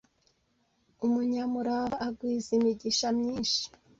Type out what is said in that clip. Umunyamurava agwiza imigisha myinshi